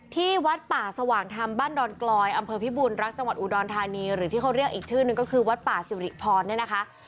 ที่วัดป่าสว่างธรรมบ้านดอนกลอยอำเภอพิบูรณรักจังหวัดอุดรธานีหรือที่เขาเรียกอีกชื่อนึงก็คือวัดป่าสิริพรเนี่ยนะคะ